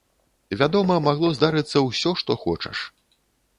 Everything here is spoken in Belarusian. Вядома, магло здарыцца ўсё, што хочаш.